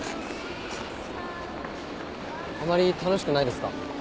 あまり楽しくないですか？